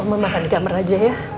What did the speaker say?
oma makan di kamer aja ya